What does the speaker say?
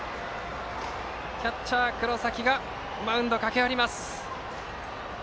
キャッチャーの黒崎がマウンドに駆け寄ります。